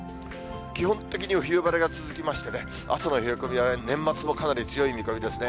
基本的には冬晴れが続きましてね、朝の冷え込みは年末もかなり強い見込みですね。